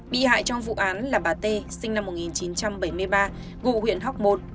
bị hại trong vụ án là bà t sinh năm một nghìn chín trăm bảy mươi ba ngụ huyện hóc môn